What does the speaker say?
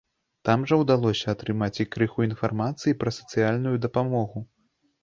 Там жа ўдалося атрымаць і крыху інфармацыі пра сацыяльную дапамогу.